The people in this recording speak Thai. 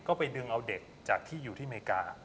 ก็ไปดึงเอาเด็กจากที่อยู่ที่อเมริกา